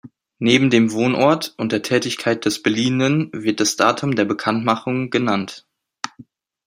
Neben dem Wohnort und der Tätigkeit des Beliehenen wird das Datum der Bekanntmachung genannt.